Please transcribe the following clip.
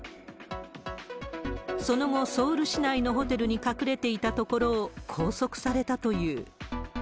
その後、ソウル市内のホテルに隠れていたところを拘束されたという。